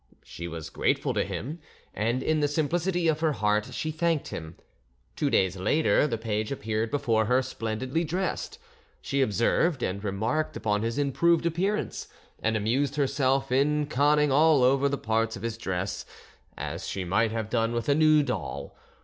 She was grateful to him, and in the simplicity of her heart she thanked him. Two days later the page appeared before her splendidly dressed; she observed and remarked upon his improved appearance, and amused herself in conning over all the parts of his dress, as she might have done with a new doll.